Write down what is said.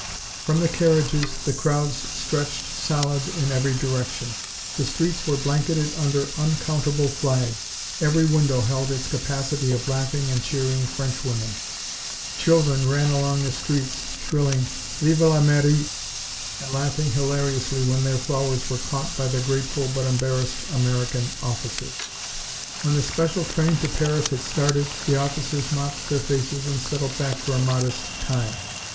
From the carriages the crowds stretched solid in every direction. The streets were blanketed under uncountable flags. Every window held its capacity of laughing and cheering Frenchwomen. Children ran along the streets, shrilling "Vive l'Amérique!" and laughing hilariously when their flowers were caught by the grateful but embarrassed American officers. When the special train to Paris had started the officers mopped their faces and settled back for a modest time.